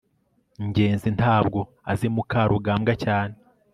ngenzi ntabwo azi mukarugambwa cyane